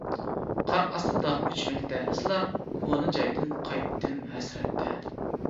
قار ئاستىدا ئۆچمەكتە ئىزلار، كونا جايدىن قايتتىم ھەسرەتتە.